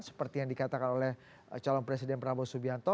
seperti yang dikatakan oleh calon presiden prabowo subianto